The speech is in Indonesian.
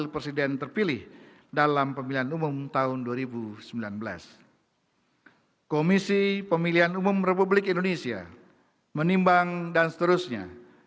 pemilihan umum tahun dua ribu sembilan belas komisi pemilihan umum republik indonesia menimbang dan seterusnya